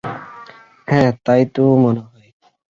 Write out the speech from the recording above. হ্যাঁ, তাই তো মনে হয়।